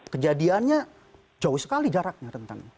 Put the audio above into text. kejadiannya jauh sekali jaraknya